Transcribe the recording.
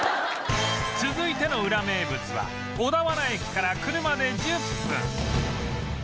続いてのウラ名物は小田原駅から車で１０分